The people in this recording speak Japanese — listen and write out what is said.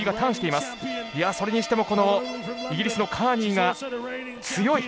いやそれにしてもこのイギリスのカーニーが強い。